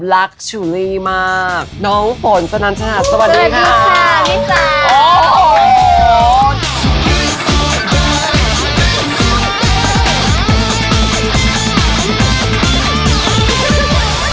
รักชุลีมากน้องฝนสนับชาติสวัสดีค่ะสวัสดีค่ะสวัสดีค่ะสวัสดีค่ะ